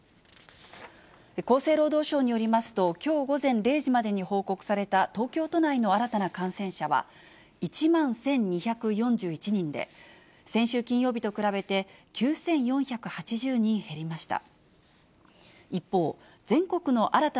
厚生労働省によりますと、きょう午前０時までに報告された東京都内の新たな感染者は、１万１２４１人で、先週金曜日と比べて９４８０人減りました。